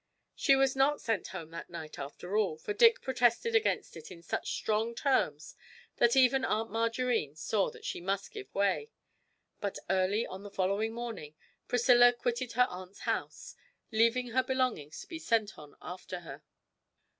She was not sent home that night after all, for Dick protested against it in such strong terms that even Aunt Margarine saw that she must give way; but early on the following morning Priscilla quitted her aunt's house, leaving her belongings to be sent on after her.